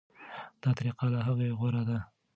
دا طریقه له هغې غوره ده.